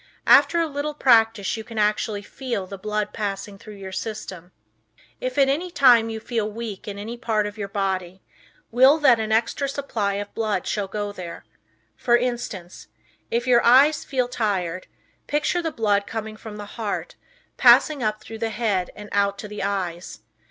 After a little practice you can actually feel the blood passing through your system. If, at any time, you feel weak in any part of the body, will that an extra supply of blood shall go there. For instance, if your eyes feel tired, picture the blood coming from the heart, passing up through the head and out to the eyes.